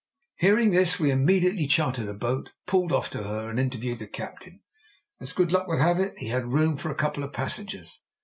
Hearing this we immediately chartered a boat, pulled off to her, and interviewed the captain. As good luck would have it, he had room for a couple of passengers.